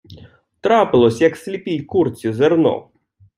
Трапилось, як сліпій курці зерно.